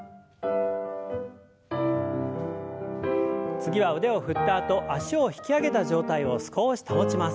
次は腕を振ったあと脚を引き上げた状態を少し保ちます。